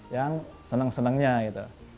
yang senang senangnya gitu